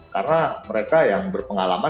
karena mereka yang berpengalaman